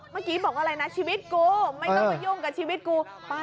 เมื่อกี้บอกอะไรนะชีวิตกูไม่ต้องมายุ่งกับชีวิตกู